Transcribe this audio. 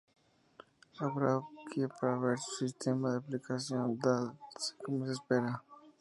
Habrá que ver si su "sistema de ampliación" da de sí como se espera.